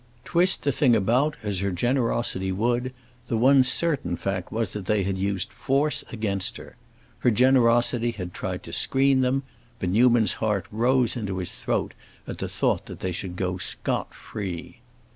Twist the thing about as her generosity would, the one certain fact was that they had used force against her. Her generosity had tried to screen them, but Newman's heart rose into his throat at the thought that they should go scot free.